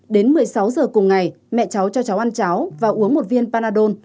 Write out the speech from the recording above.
đến một mươi sáu h cùng ngày mẹ cháu cho cháu ăn cháo và uống một viên panadol